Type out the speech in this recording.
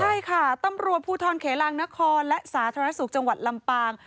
ใช่ค่ะตำรวจภูทรเขลางนครและสาธารณสุขจังหวัดลำปาง